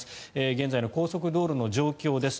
現在の高速道路の状況です。